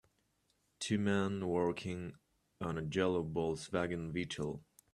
Two men working on a yellow Volkswagen beetle.